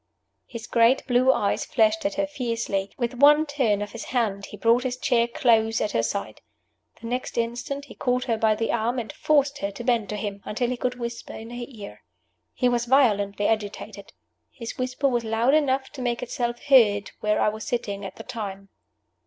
His great blue eyes flashed at her fiercely. With one turn of his hand he brought his chair close at her side. The next instant he caught her by the arm, and forced her to bend to him, until he could whisper in her ear. He was violently agitated. His whisper was loud enough to make itself heard where I was sitting at the time.